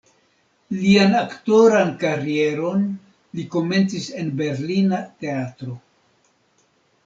Lian aktoran karieron li komencis en berlina teatro.